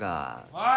おい！